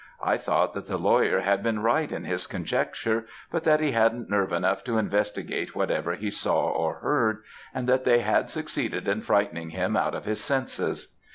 I thought that the lawyer had been right in his conjecture, but that he hadn't nerve enough to investigate whatever he saw or heard; and that they had succeeded in frightening him out of his senses.